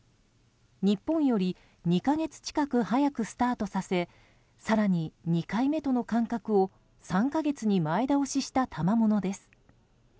日本より２か月近く早くスタートさせ更に２回目との間隔を３か月に前倒ししたたまものです。